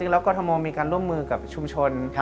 แล้วกรทมมีการร่วมมือกับชุมชน